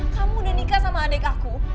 kamu udah nikah sama adik aku